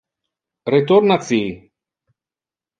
Retorna ci.